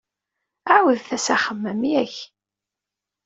Ɛiwdet-as axemmem, yak?